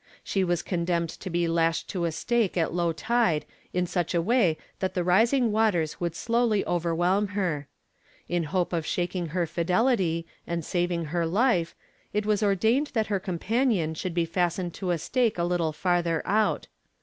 She was condemned to be lashed to a stake at low tide in such a way that the rising waters would slowly overwhelm her. In hope of shaking her fidelity, and saving her life, it was ordained that her companion should be fastened to a stake a little farther out.